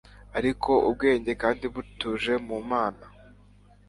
Ariko ubwenge kandi butuje mu Mana